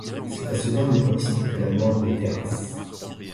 C'est à ce dernier poste que la mort le terrasse.